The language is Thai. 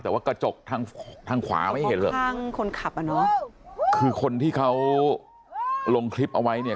แต่ว่ากระจกทางทางขวาไม่เห็นหรอกทางคนขับอ่ะเนอะคือคนที่เขาลงคลิปเอาไว้เนี่ย